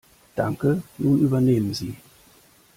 Danke. Nun übernehmen Sie.